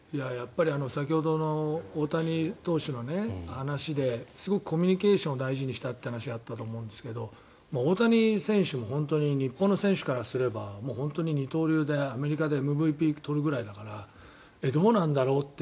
先ほどの大谷投手の話ですごくコミュニケーションを大事にしたという話があったと思うんですけど大谷選手も本当に日本の選手からすれば二刀流で、アメリカでＭＶＰを取るくらいだからどうなんだろうって。